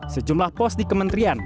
sejumlah pos di kementerian